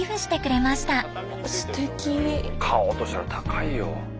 買おうとしたら高いよ。